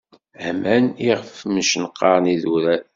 Aman iɣef mcenqaṛen idurar.